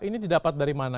ini didapat dari mana